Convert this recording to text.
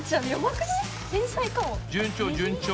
順調順調。